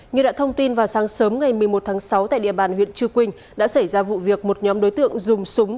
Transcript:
như đã thông tin vào sáng sớm ngày một mươi một tháng sáu tại địa bàn huyện chư quynh đã xảy ra vụ việc một nhóm đối tượng dùng súng